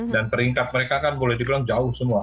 peringkat mereka kan boleh dibilang jauh semua